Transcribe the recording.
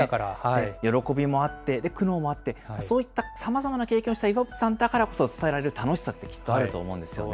喜びもあって、苦労もあって、そういったさまざまな経験をした岩渕さんだからこそ、楽しさってきっとあると思うんですよね。